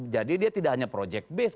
jadi dia tidak hanya project based